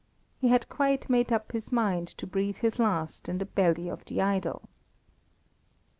He had quite made up his mind to breathe his last in the belly of the idol.